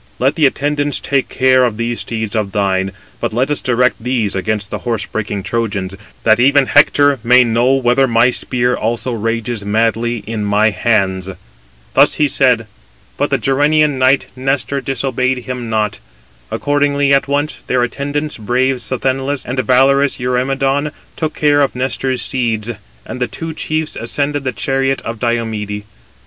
Let the attendants take care of those steeds [of thine], but let us direct these against the horse breaking Trojans, that even Hector may know whether my spear also rages madly in my hands." Thus he said: but the Gerenian knight Nestor disobeyed him not. Accordingly, at once their attendants, brave Sthenelus and valorous Eurymedon, took care of Nestor's steeds: and the two chiefs ascended the chariot of Diomede.